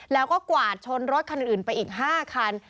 แล้วก็กวาดชนรถคันอื่นไปอีก๕คัน